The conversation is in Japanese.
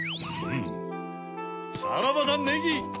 さらばだネギ！